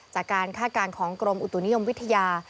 คาดการณ์ของกรมอุตุนิยมวิทยา